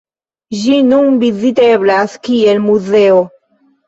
Ĝi nun viziteblas kiel muzeo.